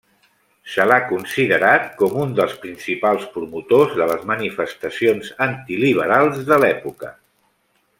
Se l'ha considerat com un dels principals promotors de les manifestacions antiliberals de l'època.